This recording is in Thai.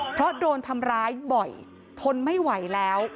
เพราะโดนทำร้ายบ่อยทนไม่ไหวแล้ว